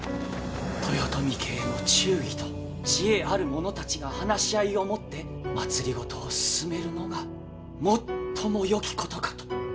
豊臣家への忠義と知恵ある者たちが話し合いをもって政を進めるのが最もよきことかと。